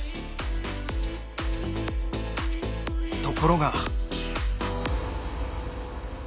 ところが。